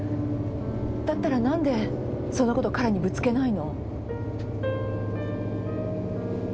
だったら何でそのこと彼にぶつけないの？